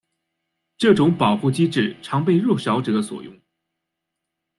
这种保护机制常被弱小者所用。